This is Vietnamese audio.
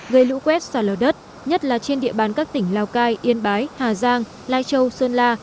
gây lũ quét xả lở đất nhất là trên địa bàn các tỉnh lào cai yên bái hà giang lai châu sơn la